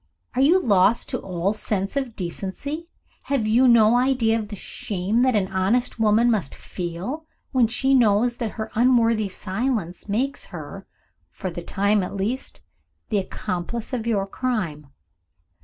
Are you lost to all sense of decency? Have you no idea of the shame that an honest woman must feel, when she knows that her unworthy silence makes her for the time at least the accomplice of your crime?